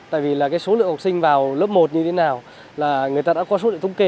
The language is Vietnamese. tại vì là cái số lượng học sinh vào lớp một như thế nào là người ta đã có số lượng thống kê